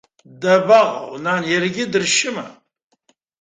Дабаҟоу, нан, иаргьы дыршьыма?!